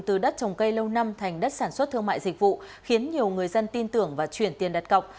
từ đất trồng cây lâu năm thành đất sản xuất thương mại dịch vụ khiến nhiều người dân tin tưởng và chuyển tiền đặt cọc